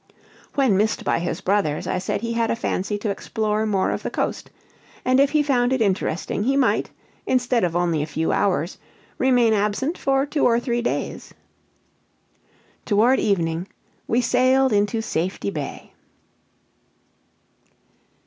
When missed by his brothers, I said he had a fancy to explore more of the coast, and if he found it interesting he might, instead of only a few hours, remain absent for two or three days. Toward evening, we sailed into Safety Bay.